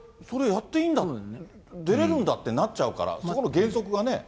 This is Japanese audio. それやっていいんだ、出れるんだってなっちゃうんで、そこの原則はね。